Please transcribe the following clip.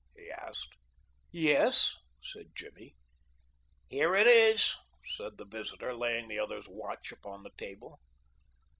he asked. "Yes," said Jimmy. "Here it is," said the visitor, laying the other's watch upon the table.